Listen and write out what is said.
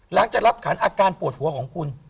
หลังจากรับขันอาการปวดหัวของคุณ